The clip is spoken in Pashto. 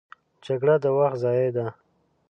جګړه د وخت ضیاع ده